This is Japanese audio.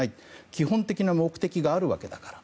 基本的な目的があるわけだから。